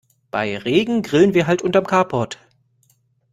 Bei Regen grillen wir halt unterm Carport.